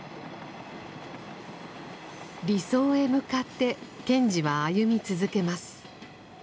理想へ向かって賢治は歩み続けます。